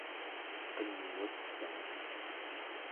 qenngutaa